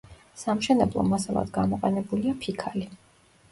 სამშენებლო მასალად გამოყენებულია ფიქალი.